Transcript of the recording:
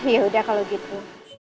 ya udah kalau gitu